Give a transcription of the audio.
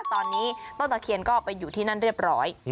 ตอนนี้ต้นตะเคียนก็ไปอยู่ที่นั่นเรียบร้อย